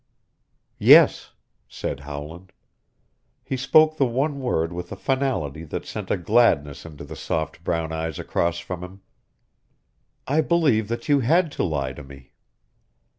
"Yes," said Howland. He spoke the one word with a finality that sent a gladness into the soft brown eyes across from him. "I believe that you had to lie to me."